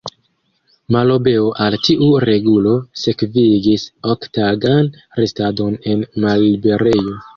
Malobeo al tiu regulo sekvigis ok-tagan restadon en malliberejo.